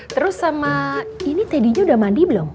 terus sama ini teddynya udah mandi belum